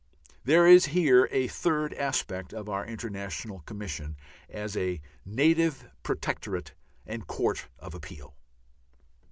So here is a third aspect of our international Commission, as a native protectorate and court of appeal!